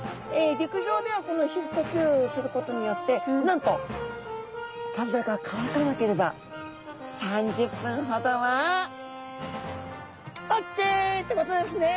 陸上では皮膚呼吸することによってなんと体が乾かなければ３０分ほどはオッケーってことですね！